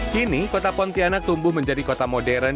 kini kota pontianak tumbuh menjadi kota modern